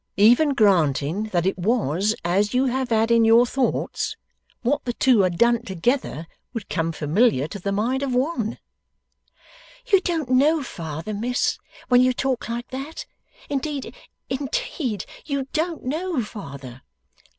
Even granting that it was as you have had in your thoughts, what the two had done together would come familiar to the mind of one.' 'You don't know father, Miss, when you talk like that. Indeed, indeed, you don't know father.